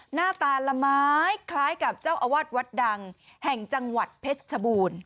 หน้าตาละไม้คล้ายกับเจ้าอาวาสวัดดังแห่งจังหวัดเพชรชบูรณ์